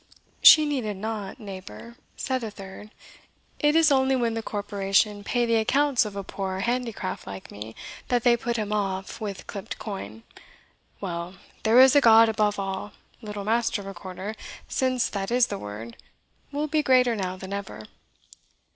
"She needed not, neighbour," said a third; "it is only when the corporation pay the accounts of a poor handicraft like me, that they put him off with clipped coin. Well, there is a God above all little Master Recorder, since that is the word, will be greater now than ever."